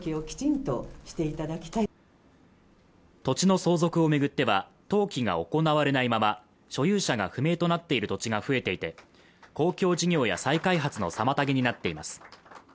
土地の相続を巡っては、登記が行われないまま所有者が不明となっている土地が増えていて公共事業や再開発の妨げになっています。